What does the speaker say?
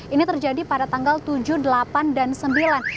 ini terjadi pada tanggal tujuh delapan dan sembilan